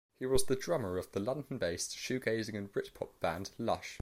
He was the drummer of the London-based shoegazing and Britpop band Lush.